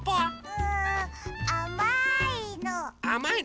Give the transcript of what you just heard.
うんあまいの。